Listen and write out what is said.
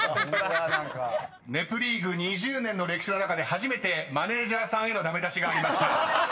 ［『ネプリーグ』２０年の歴史の中で初めてマネージャーさんへの駄目出しがありました］